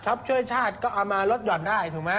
ช่วยชาติก็เอามาลดห่อนได้ถูกไหม